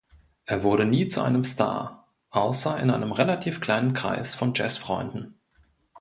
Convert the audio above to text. Er wurde nie zu einem „Star“, außer in einem relativ kleinen Kreis von Jazz-Freunden.